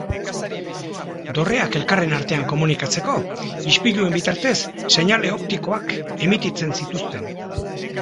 Dorreak elkarren artean komunikatzeko, ispiluen bitartez seinale optikoak emititzen zituzten.